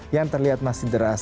yang terlihat masih deras